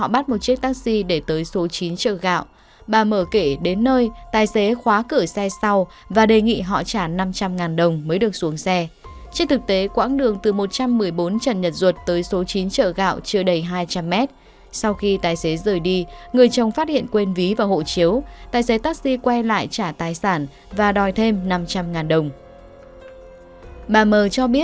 bà mở kể đến nơi tài xế khóa cửa xe sau và đề nghị họ trả năm trăm linh đồng mới được xuống xe